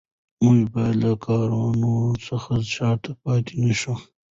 موږ باید له کاروان څخه شاته پاتې نه شو.